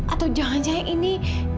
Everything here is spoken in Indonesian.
atau jangan jangan ini